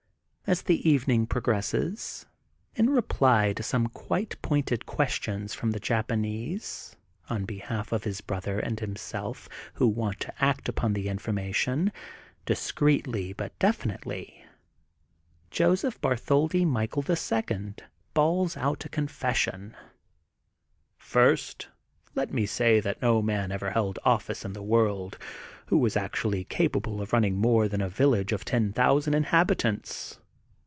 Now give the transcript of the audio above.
As the evening progresses, in reply to some quite pointed questions from the Japanese, on behalf of his brother and himself, who want to act upon the informa tion, discreetly but definitely, Joseph Bar tholdi Michael, the Second, bawls out a con fession: — "First, let me say that no man ever held office in the world, who was actually capable bf running more than a village of ten thou sand inhabitants.